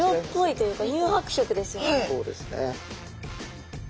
そうですね。